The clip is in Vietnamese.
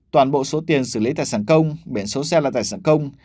toàn bộ số tiền xử lý tài sản công biển số xe là tài sản công